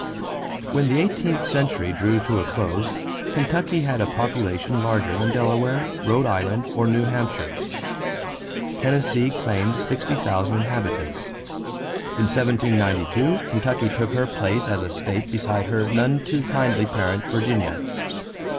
= When the eighteenth century drew to a close, Kentucky had a population larger than Delaware, Rhode Island, or New Hampshire. Tennessee claimed 60,000 inhabitants. In 1792 Kentucky took her place as a state beside her none too kindly parent, Virginia.